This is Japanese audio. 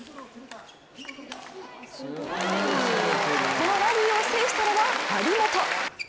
このラリーを制したのは張本。